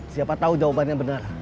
siapa tahu jawabannya benar